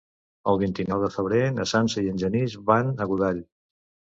El vint-i-nou de febrer na Sança i en Genís van a Godall.